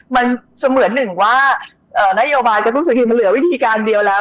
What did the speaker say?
มันเหมือนหนึ่งว่านโนโลกาลกระตุ้นสุขิตมันเหลือวิธีการเดียวแล้ว